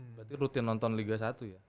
berarti rutin nonton liga satu ya